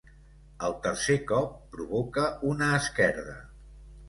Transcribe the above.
El tercer cop provoca una esquerda.